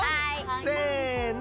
せの。